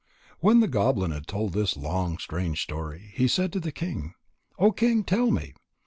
When the goblin had told this long, strange story, he said to the king: "O King, tell me.